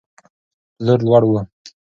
پلور لوړ و.